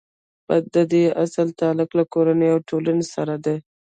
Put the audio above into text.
د دې اصل تعلق له کورنۍ او ټولنې سره دی.